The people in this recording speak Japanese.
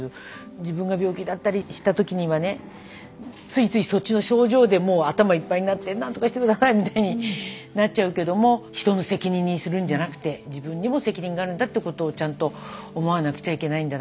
自分が病気だったりした時にはねついついそっちの症状でもう頭いっぱいになって「何とかして下さい」みたいになっちゃうけども人の責任にするんじゃなくて自分にも責任があるんだってことをちゃんと思わなくちゃいけないんだな。